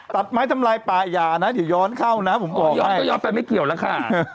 ตัดไม้สำรายปลายอย่านะจะย้อนเข้านะย้อนไปไม่เกี่ยวแล้วค่ะ